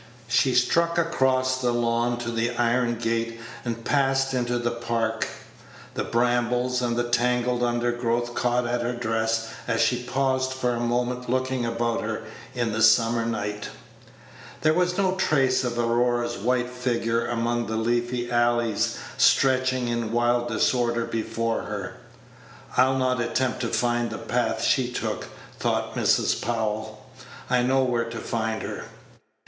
She struck across the lawn to the iron gate, and passed into the Park. The brambles and the tangled undergrowth caught at her dress as she paused for a moment looking about her in the summer night. There was no trace of Aurora's white figure among the leafy alleys stretching in wild disorder before her. "I'll not attempt to find the path she took," thought Mrs. Powell; "I know where to find her."